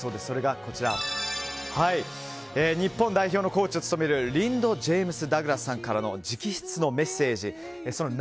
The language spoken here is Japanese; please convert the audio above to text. それが日本代表のコーチを務めるリンド・ジェームス・ダグラスさんからの直筆メッセージです。